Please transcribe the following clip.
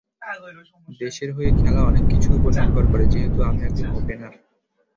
দেশের হয়ে খেলা অনেক কিছুর ওপর নির্ভর করে, যেহেতু আমি একজন ওপেনার।